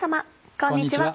こんにちは。